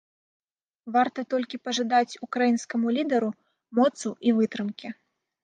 Варта толькі пажадаць украінскаму лідару моцы і вытрымкі.